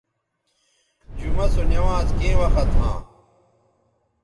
جمعہ سو نوانز کیں وخت ھاں